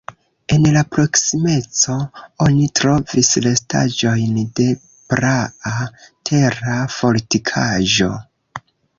En la proksimeco oni trovis restaĵojn de praa tera fortikaĵo.